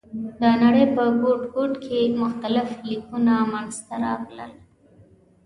د نړۍ په ګوټ ګوټ کې مختلف لیکونه منځ ته راغلل.